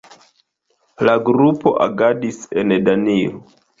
La grupo agadis en Danio.